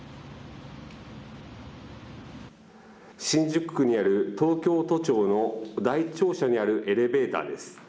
新宿区にある東京都庁の第１庁舎にあるエレベーターです。